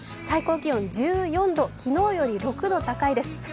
最高気温１４度、昨日より６度高いです。